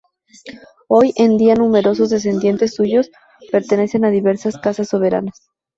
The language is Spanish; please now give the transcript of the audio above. Hoy en día numerosos descendientes suyos pertenecen a diversas casas soberanas.